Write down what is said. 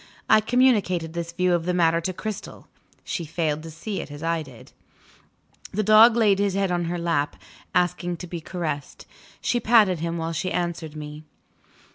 I communicated this view of the matter to Cristel. She failed to see it as I did. The dog laid his head on her lap, asking to be caressed. She patted him while she answered me.